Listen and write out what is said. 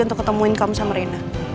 untuk ketemuin kamu sama rena